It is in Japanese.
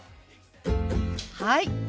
はい！